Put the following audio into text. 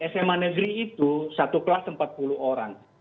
sma negeri itu satu kelas empat puluh orang